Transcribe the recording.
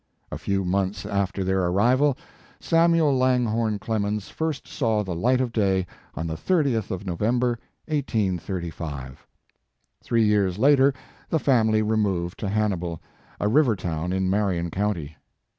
A few months after their arrival, Samuel Langhorne Clemens first saw the light of day on the 30th of November, 1835. Three years later the family removed to Hannibal, a river town in Marion county.